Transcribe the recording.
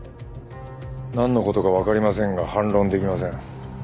なんの事かわかりませんが反論できません。